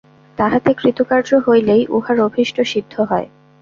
তাহাতে কৃতকার্য হইলেই উহার অভীষ্ট সিদ্ধ হয়।